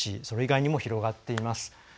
それ以外にも広がっています。